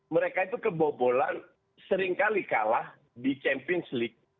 mereka itu kebobolan seringkali kalah di champions league